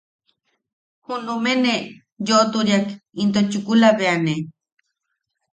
Junume ne yoʼoturiak into chukula bea ne...